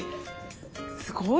すごい！